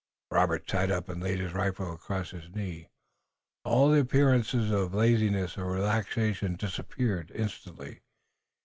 Robert sat up, and laid his rifle across his knee. All appearance of laziness or relaxation disappeared instantly.